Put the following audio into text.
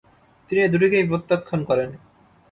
তিনি এ দুটিকেই প্রত্যাখ্যান করেন।